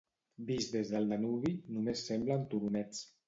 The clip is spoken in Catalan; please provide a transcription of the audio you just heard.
Vist des del Danubi, només semblen turonets.